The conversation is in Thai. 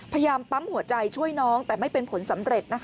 พยายามปั๊มหัวใจช่วยน้องแต่ไม่เป็นผลสำเร็จ